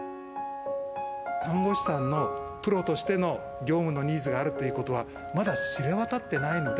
看護師さんのプロとしての業務のニーズがあるということは、まだ知れ渡ってないので。